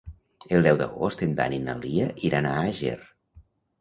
El deu d'agost en Dan i na Lia iran a Àger.